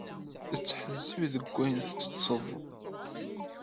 Ttḥezzib deg wayen tettetteḍ.